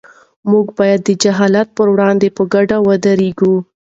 موږ باید د جهالت پر وړاندې په ګډه ودرېږو.